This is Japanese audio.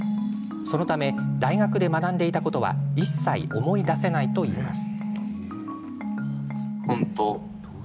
そのため大学で学んでいたことは一切、思い出せないといいます。